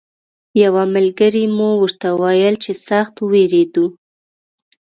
یوه ملګري مو ورته ویل چې سخت ووېرېدو.